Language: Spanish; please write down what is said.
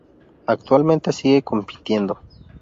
Actualmente sigue compitiendo.